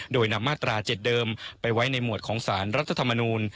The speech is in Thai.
โดยนำมาตรา๗เดิมไปไว้ในหมวดของสารรัฐธรรมนูล